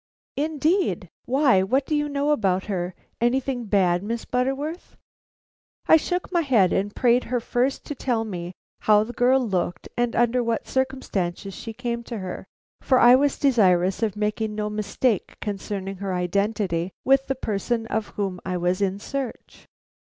"Indeed! Why, what do you know about her? Anything bad, Miss Butterworth?" I shook my head, and prayed her first to tell me how the girl looked and under what circumstances she came to her; for I was desirous of making no mistake concerning her identity with the person of whom I was in search.